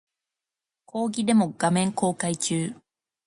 講義デモ画面公開中